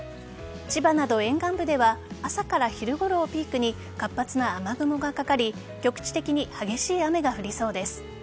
千葉など沿岸部では朝から昼ごろをピークに活発な雨雲がかかり局地的に激しい雨が降りそうです。